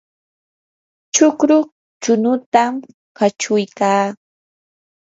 chukru chunutam kachuykaa.